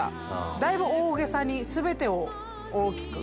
だいぶ大げさに全てを大きく。